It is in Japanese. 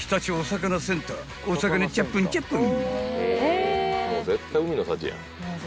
［お魚チャップンチャップン］